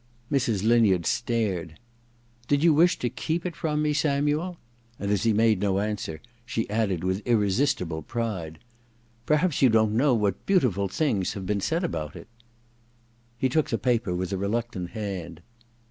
Mrs. Linyard stared. *Did you wish to keep it from me, Samuel ?' And as he made no answer, she added with irresistible pride : 23 IV THE DESCENT OF MAN 23 * Perhaps you don't know what beautiful things have been said about it/ He took the paper with a reluctant hand.